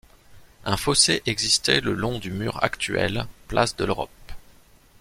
Un fossé existait le long du mur actuel, place de l'Europe.